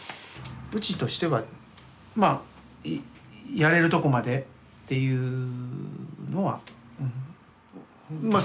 うちとしてはまあやれるとこまでっていうのはうんまあ